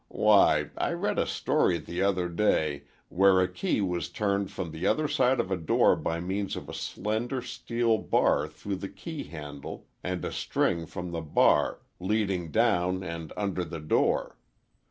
Why, I read a story the other day, where a key was turned from the other side of a door by means of a slender steel bar through the key handle, and a string from the bar, leading down and under the door.